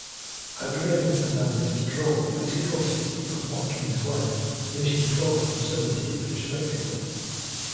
Adrian Fernandez drove at Mexico City and Watkins Glen, finishing twelfth and seventeenth, respectively.